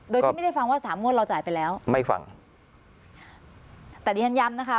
โดยที่ไม่ได้ฟังว่าสามงวดเราจ่ายไปแล้วไม่ฟังแต่ดิฉันย้ำนะคะ